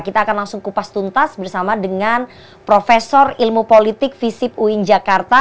kita akan langsung kupas tuntas bersama dengan profesor ilmu politik visip uin jakarta